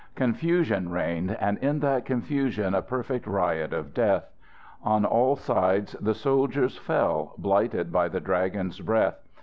Confusion reigned, and in that confusion a perfect riot of death. On all sides the soldiers fell, blighted by the Dragon's breath.